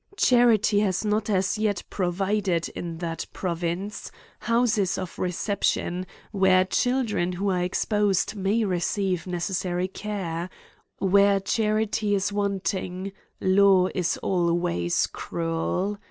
Charity has not as yet provided, in that province, houses of reception, where children who are exposed may receive ne cessary care : where charity is wanting,' law is always cruel.